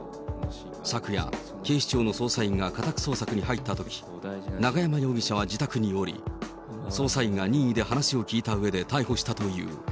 昨夜、警視庁の捜査員が家宅捜索に入ったとき、永山容疑者は自宅におり、捜査員が任意で話を聴いたうえで逮捕したという。